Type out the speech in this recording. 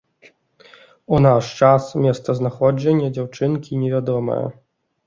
У наш час месцазнаходжанне дзяўчынкі невядомае.